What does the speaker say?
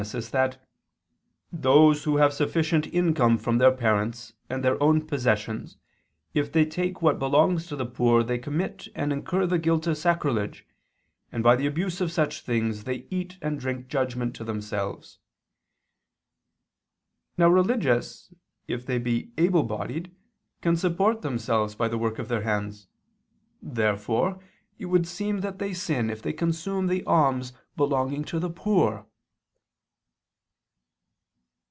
iv among the supposititious works of St. Jerome] that "those who have sufficient income from their parents and their own possessions, if they take what belongs to the poor they commit and incur the guilt of sacrilege, and by the abuse of such things they eat and drink judgment to themselves." Now religious if they be able bodied can support themselves by the work of their hands. Therefore it would seem that they sin if they consume the alms belonging to the poor.